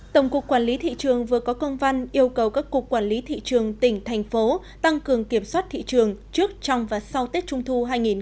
tổng cục quản lý thị trường vừa có công văn yêu cầu các cục quản lý thị trường tỉnh thành phố tăng cường kiểm soát thị trường trước trong và sau tết trung thu hai nghìn hai mươi